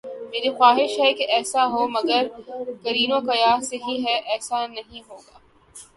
میری خواہش ہے کہ ایسا ہو مگر قرین قیاس یہی کہ ایسا نہیں ہو گا۔